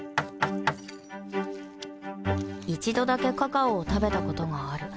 一度だけカカオを食べたことがある